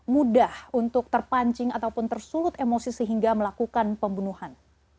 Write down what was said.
mudah untuk terpancing ataupun tersulut emosi sehingga melakukan pembunuhan